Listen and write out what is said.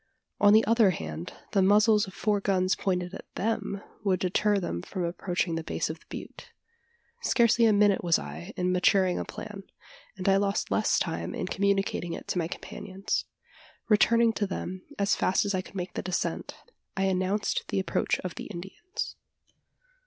On the other hand, the muzzles of four guns pointed at them, would deter them from approaching the base of the butte. Scarcely a minute was I in maturing a plan; and I lost less time in communicating it to my companions. Returning to them, as fast as I could make the descent, I announced the approach of the Indians.